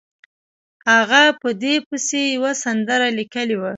هغه په دې پسې یوه سندره لیکلې وه.